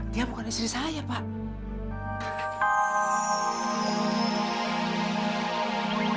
dia bukan istri saya pak